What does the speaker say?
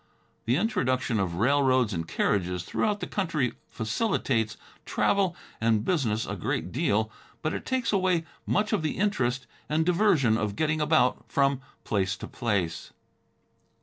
The introduction of railroads and carriages throughout the country facilitates travel and business a great deal, but it takes away much of the interest and diversion of getting about from place to place.